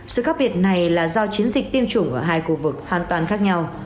sự khác biệt này là do chiến dịch tiêm chủng ở hai khu vực hoàn toàn khác nhau